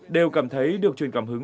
đều cảm thấy được truyền cảm hứng